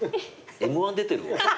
『Ｍ−１』出てるわ。